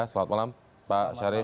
selamat malam pak syarif